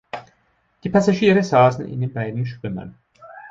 Die Passagiere saßen in den beiden Schwimmern.